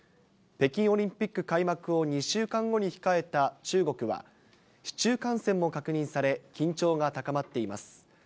北京オリンピック開幕を２週間後に控えた中国は、市中感染も確認され、緊張が高まっています。